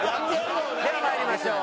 ではまいりましょう。